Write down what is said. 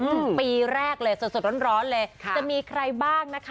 อืมปีแรกเลยสดสดร้อนร้อนเลยค่ะจะมีใครบ้างนะคะ